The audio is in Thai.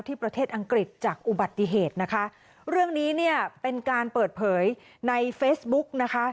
ประเทศอังกฤษจากอุบัติเหตุนะคะเรื่องนี้เนี่ยเป็นการเปิดเผยในเฟซบุ๊กนะคะ